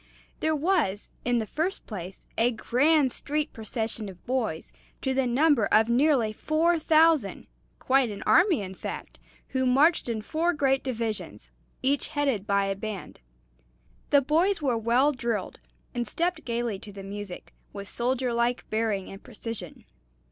There was, in the first place, a grand street procession of boys, to the number of nearly four thousand quite an army, in fact who marched in four great divisions, each headed by a band. The boys were well drilled, and stepped gayly to the music, with soldier like bearing and precision.